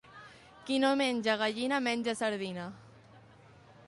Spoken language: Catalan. Qui no menja gallina menja sardina.